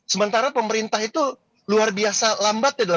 sementara pemerintah itu luar biasa lambat ya